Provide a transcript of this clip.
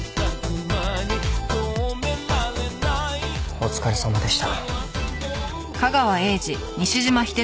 お疲れさまでした。